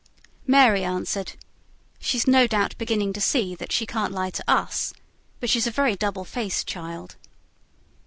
May answered: "She's no doubt beginning to see she can't lie to US. But she's a very double faced child."